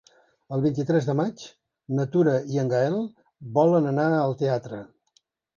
El vint-i-tres de maig na Tura i en Gaël volen anar al teatre.